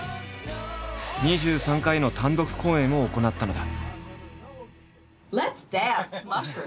２３回の単独公演を行ったのだ。